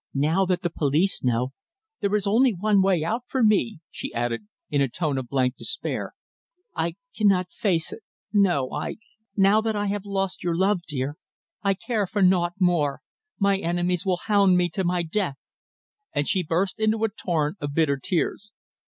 "Now that the police know, there is only one way out for me," she added, in a tone of blank despair. "I cannot face it no I now that I have lost your love, dear. I care for naught more. My enemies will hound me to my death!" And she burst into a torrent of bitter tears.